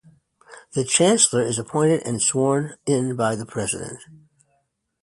The Chancellor is appointed and sworn in by the President.